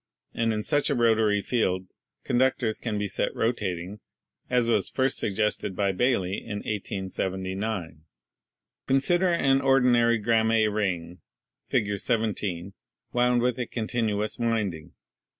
And in such a rotatory field conductors can be set rotating, as was first suggested by Baily in 1879. "Consider an ordinary Gramme ring (Fig. 17) wound with a continuous winding.